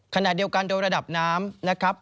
ขณะเดียวกันโดยระดับน้ำนะครับ